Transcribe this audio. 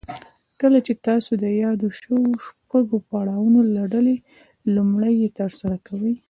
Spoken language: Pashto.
کله چې تاسې د يادو شويو شپږو پړاوونو له ډلې لومړی يې ترسره کوئ.